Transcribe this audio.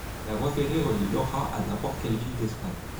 La voie ferrée relie Lojà à n'importe quelle ville d'Espagne.